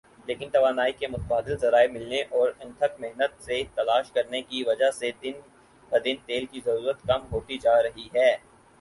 لیکن توانائی کے متبادل ذرائع ملنے اور انتھک محنت سے تلاش کرنے کی وجہ سے دن بدن تیل کی ضرورت کم ہوتی جارہی ھے